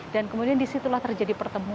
dan kemudian disitulah terjadi pertemuan